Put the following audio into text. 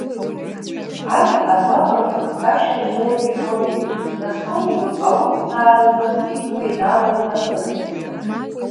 Арҭ агәаҟрақәа хгашьа рмоуртә иҟалеит Раскольников аусҭҵааразы иԥхьо ианалага нахыс.